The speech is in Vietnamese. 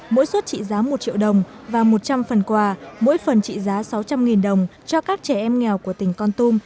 mỗi suất trị giá một triệu đồng và một trăm linh phần quà mỗi phần trị giá sáu trăm linh đồng cho các trẻ em nghèo của tỉnh con tum